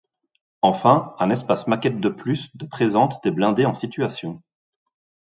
Enfin, un espace maquettes de plus de présente des blindés en situation.